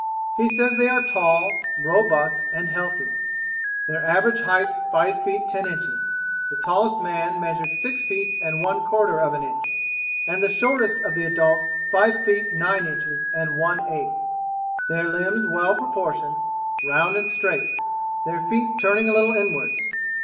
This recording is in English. He says they are tall, robust, and healthy; their average height five feet ten inches; the tallest man measured six feet and one quarter of an inch, and the shortest of the adults five feet nine inches and one eighth; their limbs well proportioned, round and straight; their feet turning a little inwards.